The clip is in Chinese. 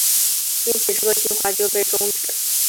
因此这个计划就被终止。